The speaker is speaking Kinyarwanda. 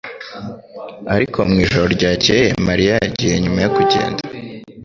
ariko mwijoro ryakeye Mariya yagiye nyuma yo kugenda